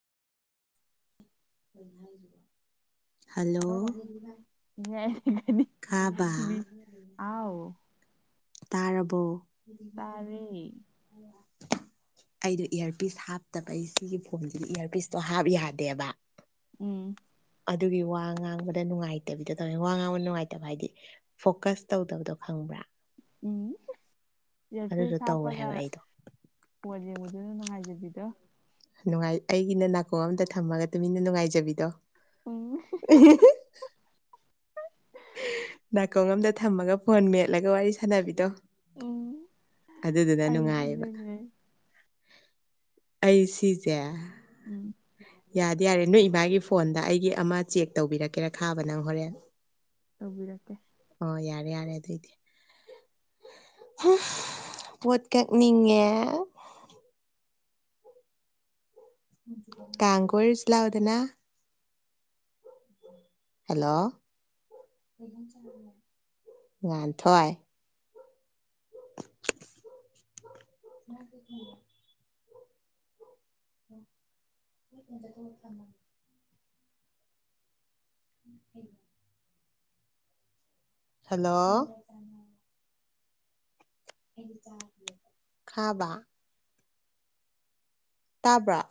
[inaudible] Hello ꯀꯥꯕ [unintelligible] ꯃꯤ ꯑꯥꯎ꯫ ꯇꯥꯔꯕꯣ? ꯇꯥꯔꯦ ꯑꯩꯗꯣ ꯏꯌꯥꯔꯄꯤꯁ ꯍꯥꯞꯇꯕꯩ ꯁꯤꯒꯤ ꯐꯣꯟꯁꯤꯗꯤ ꯏꯌꯥꯔꯄꯤꯁꯇꯣ ꯍꯥꯞ ꯌꯥꯗꯦꯕ꯫ ꯎꯝ ꯑꯗꯨꯒꯤ ꯋꯥ ꯉꯥꯡꯕꯗ ꯅꯨꯡꯉꯥꯏꯇꯕꯤꯗꯣ ꯇꯧꯋꯦ ꯋꯥ ꯉꯥꯡꯕ ꯅꯨꯡꯉꯥꯏꯇꯕ ꯍꯥꯏꯗꯤ ꯐꯣꯀꯁ ꯇꯧꯗꯕꯗꯣ ꯈꯪꯕ꯭ꯔꯥ? ꯎꯝ ꯑꯗꯨꯗꯣ ꯏꯌꯥꯔꯄꯤꯁ ꯇꯧꯋꯦ ꯍꯥꯞꯄꯒ ꯍꯥꯏꯕ ꯑꯩꯗꯣ ꯐꯣꯟ ꯌꯦꯡꯕꯗꯨꯅ ꯅꯨꯡꯉꯥꯏꯖꯕꯤꯗꯣ꯫ ꯅꯨꯡꯉꯥꯏ ꯑꯩꯒꯤꯅ ꯅꯥꯀꯣꯡ ꯑꯝꯗ ꯊꯝꯃꯒ ꯇꯨꯃꯤꯟꯅ ꯅꯨꯡꯉꯥꯏꯖꯕꯤꯗꯣ꯫ ꯎꯝ꯫ ꯅꯥꯀꯣꯡ ꯑꯝꯗ ꯊꯝꯃꯒ ꯐꯣꯟ ꯃꯦꯠꯂꯒ ꯋꯥꯔꯤ ꯁꯥꯟꯅꯕꯤꯗꯣ ꯎꯝ ꯑꯗꯨꯗꯨꯅ ꯑꯖꯨ ꯅꯨꯡꯉꯥꯏꯌꯦꯕ ꯅꯤꯅꯦ ꯑꯩ ꯁꯤꯁꯦ ꯎꯝ ꯌꯥꯗ ꯌꯥꯔꯦ ꯅꯣꯏ ꯏꯃꯒꯤ ꯐꯣꯟꯗ ꯑꯩꯒꯤ ꯑꯃ ꯆꯦꯛ ꯇꯧꯕꯤꯔꯛꯀꯦꯔꯥ ꯈꯥꯕ ꯅꯪ ꯍꯣꯔꯦꯟ ꯇꯧꯕꯤꯔꯛꯀꯦ ꯑꯣ ꯌꯥꯔꯦ ꯌꯥꯔꯦ ꯑꯗꯨꯏꯗꯤ ꯄꯣꯠ ꯀꯛꯅꯤꯡꯉꯦ ꯀꯥꯡ ꯀꯣꯏꯔꯨꯁꯤ ꯂꯥꯎꯗꯅ ꯍꯦꯜꯂꯣ ꯉꯥꯟꯊꯣꯏ [unintelligible] ꯇ ꯀꯝꯃ [unintelligible] ꯎꯝ [unintelligible] ꯍꯜꯂꯣ ꯈꯥꯕ ꯇꯥꯕ꯭ꯔꯣ